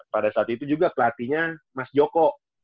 pada saat itu juga pelatihnya mas joko